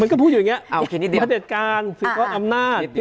ก็พูดอย่างนี้ประเด็จการสืบทอดอำนาจ